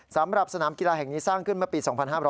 สำหรับสนามกีฬาแห่งนี้สร้างขึ้นเมื่อปี๒๕๕๙